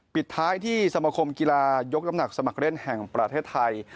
ปิดท้ายที่สมคมกีฬายกน้ำหนักสมัครเล่นแห่งประเทศไทย